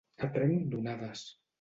A trenc d'onades.